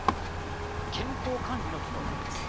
健康管理の機能なんです。